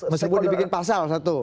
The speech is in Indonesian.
mesti dibikin pasal satu